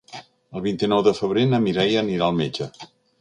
El vint-i-nou de febrer na Mireia anirà al metge.